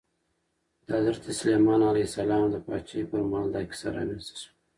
د حضرت سلیمان علیه السلام د پاچاهۍ پر مهال دا کیسه رامنځته شوه.